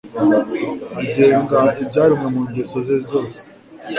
agenga ibyaremwe mu ngeso ze zose;